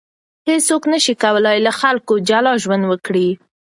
هیڅوک نسي کولای له خلکو جلا ژوند وکړي.